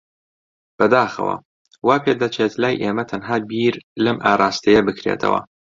بەداخەوە، وا پێدەچێت لای ئێمە تەنها بیر لەم ئاراستەیە بکرێتەوە.